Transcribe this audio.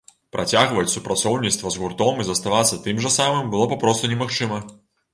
Працягваць супрацоўніцтва з гуртом і заставацца тым жа самым было папросту немагчыма!